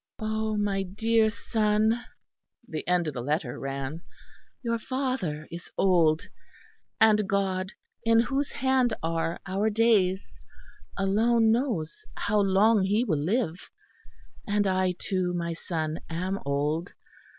"Oh, my dear son," the end of the letter ran, "your father is old; and God, in whose hand are our days, alone knows how long he will live; and I, too, my son, am old.